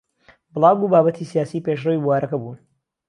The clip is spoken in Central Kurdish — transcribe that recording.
بڵاگ و بابەتی سیاسی پێشڕەوی بوارەکە بوون